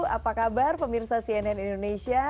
apa kabar pemirsa cnn indonesia